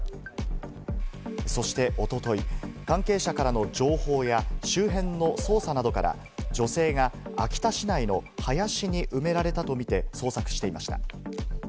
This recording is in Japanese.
そして一昨日、関係者からの情報や周辺の捜査などから、女性が秋田市内の林に埋められたとみて捜索していました。